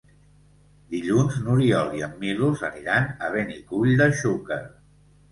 Dilluns n'Oriol i en Milos aniran a Benicull de Xúquer.